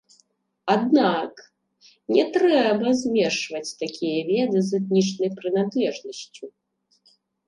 Аднак, не трэба змешваць такія веды з этнічнай прыналежнасцю.